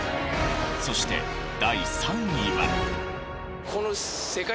そして第３位は。